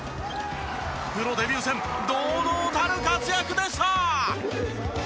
プロデビュー戦堂々たる活躍でした。